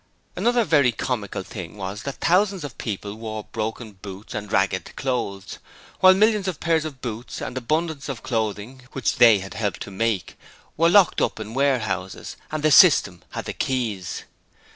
Another very comical thing was that thousands of people wore broken boots and ragged clothes, while millions of pairs of boots and abundance of clothing, which they had helped to make, were locked up in warehouses, and the System had the keys.